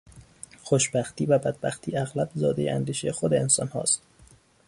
خوشبختی و بدبختی اغلب زادهی اندیشهی خود انسانها است.